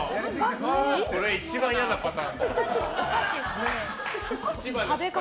これ一番嫌なパターンだ。